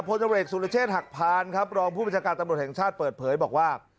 ผู้จำเอกสุริเชษฐ์หักพานครับรองผู้บริษักราชตำรวจแห่งชาติเปิดเผยบอกว่า